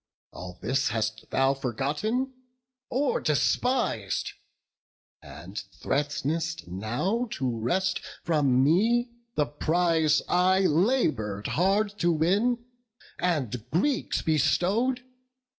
All this hast thou forgotten, or despis'd; And threat'nest now to wrest from me the prize I labour'd hard to win, and Greeks bestow'd.